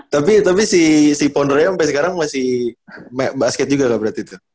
tapi si pondra yang sampai sekarang masih basket juga gak berarti tuh